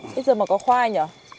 bây giờ mà có khoai nhỉ